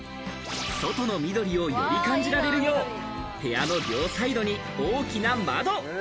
外の緑をより感じられるよう、部屋の両サイドに大きな窓。